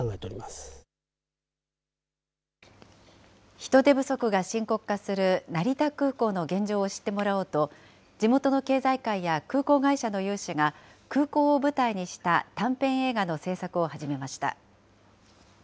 人手不足が深刻化する成田空港の現状を知ってもらおうと、地元の経済界や空港会社の有志が、空港を舞台にした短編映画の制作を始めました。